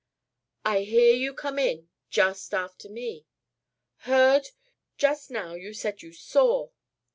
"I hear you come in just after me " "Heard? Just now you said you saw."